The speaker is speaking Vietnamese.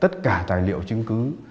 tất cả tài liệu chứng cứ